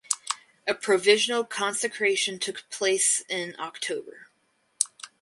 A provisional consecration took place in October.